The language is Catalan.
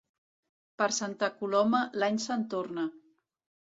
Per Santa Coloma, l'any se'n torna.